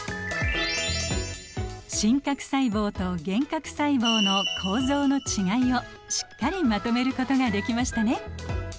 真核細胞と原核細胞の構造の違いをしっかりまとめることができましたね。